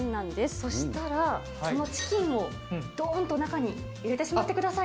そしたら、このチキンをどーんと中に入れてしまってください。